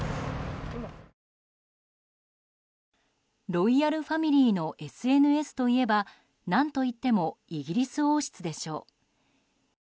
ロイヤルファミリーのＳＮＳといえば何といってもイギリス王室でしょう。